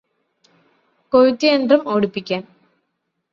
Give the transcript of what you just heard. കൊയ്ത്തുയന്ത്രം ഓടിപ്പിക്കാന്